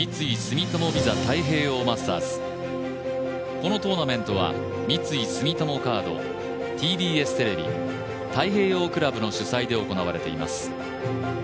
このトーナメントは三井住友カード、ＴＢＳテレビ太平洋クラブの主催で行われています。